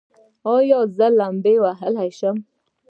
ایا زه لامبو وهلی شم؟